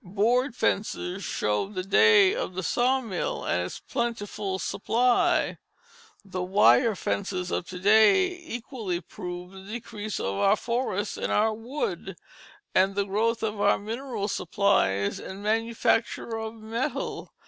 Board fences showed the day of the sawmill and its plentiful supply; the wire fences of to day equally prove the decrease of our forests and our wood, and the growth of our mineral supplies and manufactures of metals.